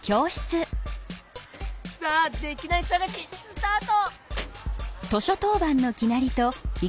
さあできないさがしスタート！